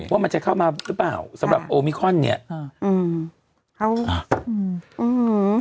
ว่ามันจะเข้ามาหรือเปล่าสำหรับโอมิคอนเนี้ยอ่าอืมอืม